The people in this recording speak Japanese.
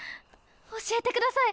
教えてください！